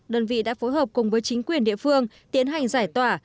đơn vị đã phối hợp cùng với chính quyền địa phương tiến hành giải tỏa